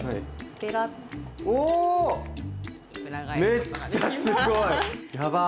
めっちゃすごい！